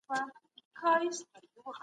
حکومت کولای سي زکات راټول کړي.